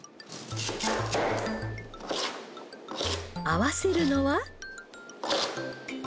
合わせるのは。